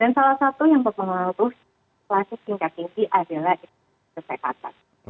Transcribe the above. dan salah satu yang mempengaruhi klasik tingkat tinggi adalah kesehatan